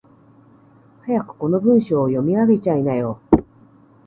早くこの文章を読み上げちゃいなよ。